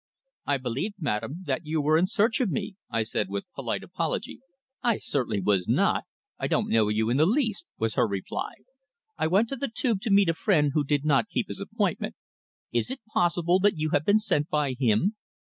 "I believed, madame, that you were in search of me?" I said, with polite apology. "I certainly was not. I don't know you in the least," was her reply. "I went to the Tube to meet a friend who did not keep his appointment. Is it possible that you have been sent by him?